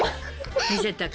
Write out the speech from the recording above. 見せたか。